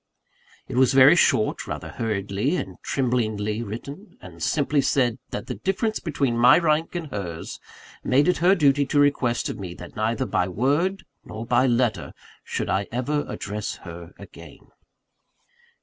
It was very short rather hurriedly and tremblingly written and simply said that the difference between my rank and hers made it her duty to request of me, that neither by word nor by letter should I ever address her again.